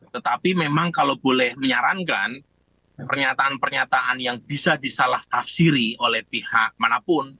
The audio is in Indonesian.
tetapi memang kalau boleh menyarankan pernyataan pernyataan yang bisa disalah tafsiri oleh pihak manapun